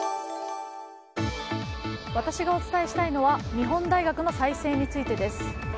私がお伝えしたいのは日本大学の再生についてです。